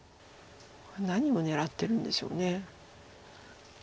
何を狙ってるんでしょう。